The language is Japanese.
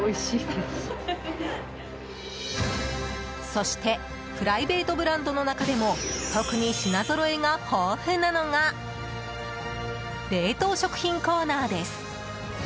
そしてプライベートブランドの中でも特に品ぞろえが豊富なのが冷凍食品コーナーです。